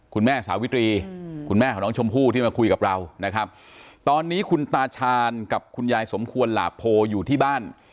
คุณแม่สาวิตรีคุณแม่ของน้องชมพู่ที่มาคุยกับเรานะครับตอนนี้คุณตาชาญกับคุณยายสมควรหลาโพอยู่ที่บ้าน